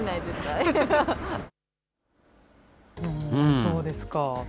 そうですか。